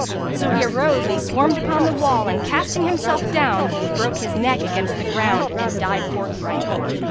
So he arose and swarmed upon the wall and casting himself down, broke his neck against the ground and died forthright.